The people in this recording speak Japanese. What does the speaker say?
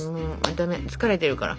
ダメ疲れてるから。